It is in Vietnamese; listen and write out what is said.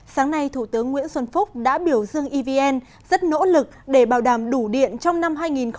sáng nay thủ tướng nguyễn xuân phúc đã biểu dương evn rất nỗ lực để bảo đảm đủ điện trong năm hai nghìn hai mươi